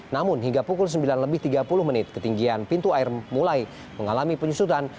namun hingga pukul sembilan lebih tiga puluh menit ketinggian pintu air mulai mengalami penyusutan